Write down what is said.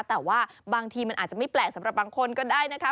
แต่ว่าบางทีมันอาจจะไม่แปลกสำหรับบางคนก็ได้นะคะ